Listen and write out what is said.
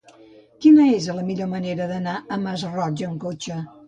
Quina és la millor manera d'anar al Masroig amb cotxe?